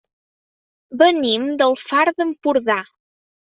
Venim del Far d'Empordà.